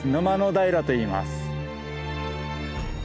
平といいます。